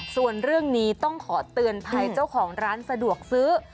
ส่วนเรื่องนี้ต้องขอเตือนภัยเจ้าของร้านสะดวกซื้อ